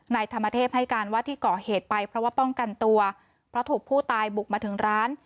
นายธรรมเทพให้การว่าที่ก่อเหตุไปเพราะว่าป้องกันตัวเพราะถูกผู้ตายบุกมาถึงร้าน